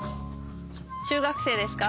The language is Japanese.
中学生ですか？